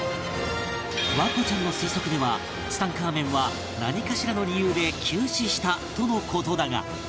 環子ちゃんの推測ではツタンカーメンは何かしらの理由で急死したとの事だが